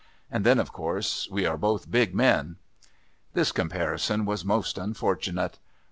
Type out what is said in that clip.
And then, of course, we are both big men." This comparison was most unfortunate.